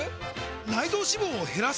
内臓脂肪を減らす！？